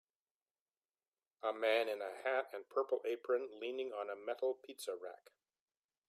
A man in a hat and purple apron leaning on a metal pizza rack